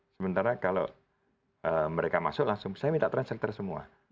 sementara kalau mereka masuk langsung saya minta translator semua